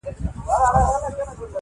دغه تیارې غواړي د سپینو څراغونو کیسې,